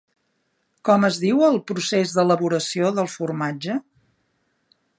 Com es diu el procés d'elaboració del formatge?